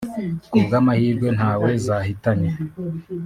kubw’amahirwe ntawe zahitanye